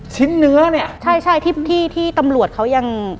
ชิ้นเนื้อเนี่ยใช่ใช่ที่ที่ตำรวจเขายัง